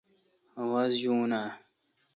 آواز یوین اؘ